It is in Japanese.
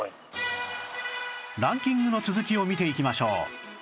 ランキングの続きを見ていきましょう